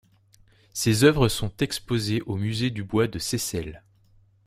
Ses oeuvres sont exposées au musée du bois de Seyssel.